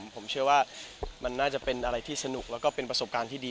ผมเชื่อว่ามันน่าจะเป็นอะไรที่สนุกแล้วก็เป็นประสบการณ์ที่ดี